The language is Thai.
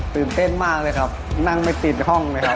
ตื่นเต้นมากเลยครับนั่งไม่ติดห้องเลยครับ